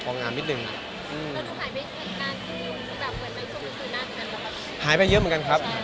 กล้องไอ้ใจของในพิเษียร์ของอังอัง